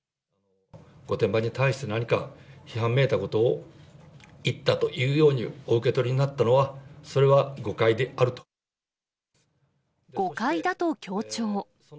御殿場に対して何か批判めいたことを言ったというようにお受け取りになったのは、それは誤解誤解だと強調。